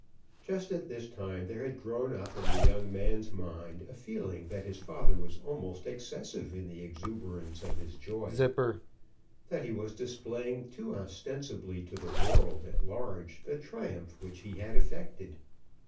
Just at this time there had grown up in the young man's mind a feeling that his father was almost excessive in the exuberance of his joy, that he was displaying too ostensibly to the world at large the triumph which he had effected.